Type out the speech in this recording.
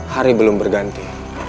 hari belum berganti